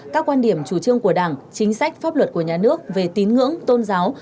các quan điểm chủ trương của đảng chính sách pháp luật của nhà nước về tín ngưỡng tôn giáo